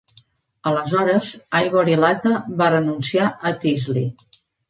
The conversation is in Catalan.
Aleshores, Ivory Latta va renunciar a Teasly.